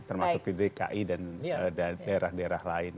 termasuk di dki dan daerah daerah lain